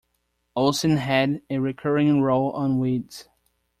Olsen had a recurring role on "Weeds".